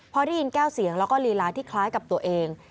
พอได้ยินแก้วเสียงแล้วก็ลีลาที่คล้ายกับตัวเอง